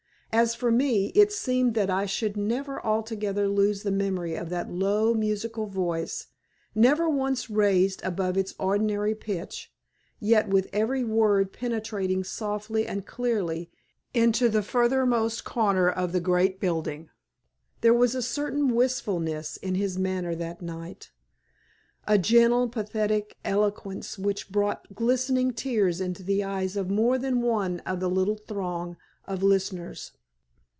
As for me, it seemed that I should never altogether lose the memory of that low, musical voice, never once raised above its ordinary pitch, yet with every word penetrating softly and clearly into the furthermost corner of the great building. There was a certain wistfulness in his manner that night, a gentle, pathetic eloquence which brought glistening tears into the eyes of more than one of the little throng of listeners.